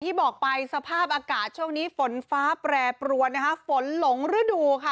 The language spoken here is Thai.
บอกไปสภาพอากาศช่วงนี้ฝนฟ้าแปรปรวนนะคะฝนหลงฤดูค่ะ